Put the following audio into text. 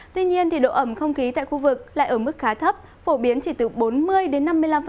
tuy nhiên độ ẩm không khí tại khu vực lại ở mức khá thấp phổ biến chỉ từ bốn mươi đến năm mươi năm